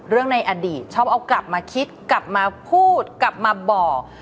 ในอดีตชอบเอากลับมาคิดกลับมาพูดกลับมาบอก